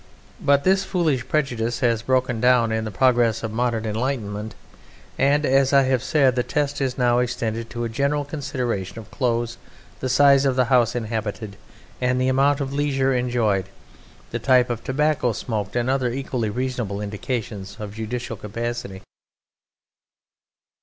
But this foolish prejudice has broken down in the progress of modern enlightenment, and, as I have said, the test is now extended to a general consideration of clothes, the size of the house inhabited, and the amount of leisure enjoyed, the type of tobacco smoked, and other equally reasonable indications of judicial capacity.